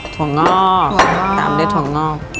ถั่วงอกตามด้วยถั่วงอก